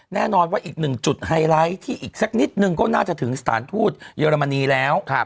แน่นอนว่าอีกหนึ่งจุดไฮไลท์ที่อีกสักนิดนึงก็น่าจะถึงสถานทูตเยอรมนีแล้ว